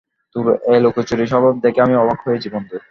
তোর এই লুকোচুরি স্বভাব দেখে আমি অবাক হয়েছি, বন্ধু।